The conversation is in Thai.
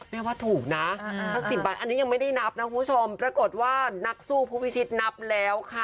แม่ว่าถูกนะสัก๑๐ใบอันนี้ยังไม่ได้นับนะคุณผู้ชมปรากฏว่านักสู้ผู้พิชิตนับแล้วค่ะ